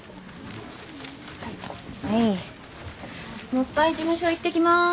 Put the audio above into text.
もう一回事務所行ってきます。